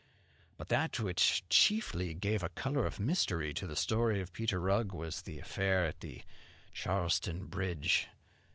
"But that which chiefly gave a colour of mystery to the story of Peter Rugg was the affair at Charlestown bridge.